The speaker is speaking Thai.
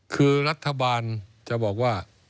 คือรัฐบาลจะบอกว่า